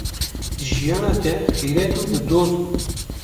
Jiyana te xîret û bi doz bû.